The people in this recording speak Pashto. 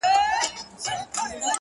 رقیبه اوس دي په محفل کي سترګي سرې ګرځوه-